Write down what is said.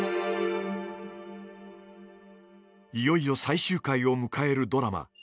いよいよ最終回を迎えるドラマ。